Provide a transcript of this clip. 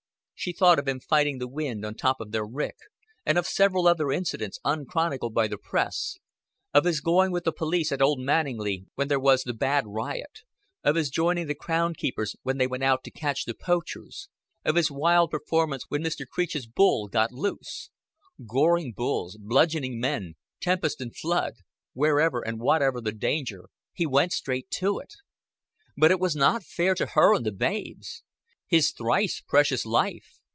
She thought of him fighting the wind on top of their rick, and of several other incidents unchronicled by the press of his going with the police at Old Manninglea when there was the bad riot, of his joining the Crown keepers when they went out to catch the poachers, of his wild performance when Mr. Creech's bull got loose. Goring bulls, bludgeoning men, tempest and flood wherever and whatever the danger, he went straight to it. But it was not fair to her and the babes. His thrice precious life!